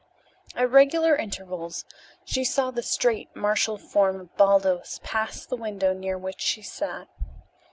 At regular intervals she saw the straight, martial form of Baldos pass the window near which she sat.